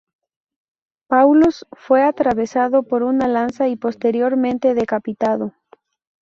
Paulus fue atravesado por una lanza y posteriormente decapitado.